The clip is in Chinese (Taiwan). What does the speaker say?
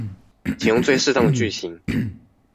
請用最適當的句型